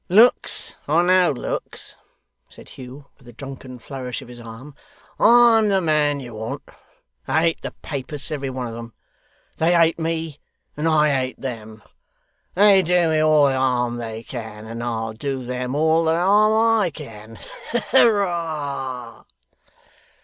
'Looks or no looks,' said Hugh, with a drunken flourish of his arm, 'I'm the man you want. I hate the Papists, every one of 'em. They hate me and I hate them. They do me all the harm they can, and I'll do them all the harm I can. Hurrah!